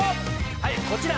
はいこちら！